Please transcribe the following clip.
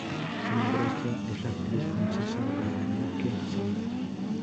Su madrastra es la actriz francesa Dominique Sanda.